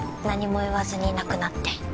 何も言わずにいなくなって。